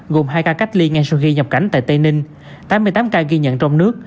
gồm hai ca cách ly ngay sau khi nhập cảnh tại tây ninh tám mươi tám ca ghi nhận trong nước